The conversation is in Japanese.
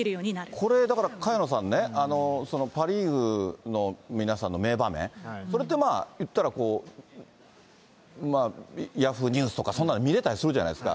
これ、だから、萱野さんね、パ・リーグの皆さんの名場面、それって、まあ、いったらこう、ヤフーニュースとかそんなので見れたりするじゃないですか。